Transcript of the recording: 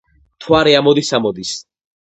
მთვარე ამოდის ამოდის.